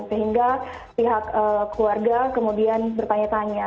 sehingga pihak keluarga kemudian bertanya tanya